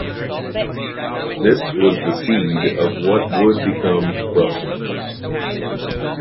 This was the seed of what would become Brussels.